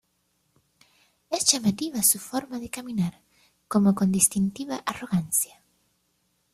Es llamativa su forma de caminar, como con "distintiva arrogancia".